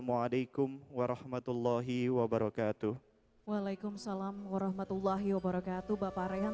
yang benar benar berharga untuk kita beradm blowing